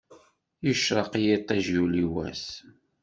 Yecreq yiṭij, yuli wass.